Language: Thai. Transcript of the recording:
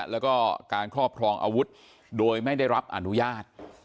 แล้วก็การครอบครองอาวุธโดยไม่ได้รับอนุญาต